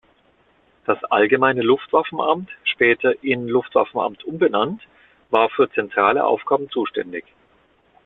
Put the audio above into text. Das Allgemeine Luftwaffenamt, später in Luftwaffenamt umbenannt, war für zentrale Aufgaben zuständig.